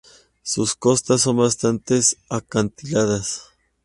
Sus costas son bastante acantiladas.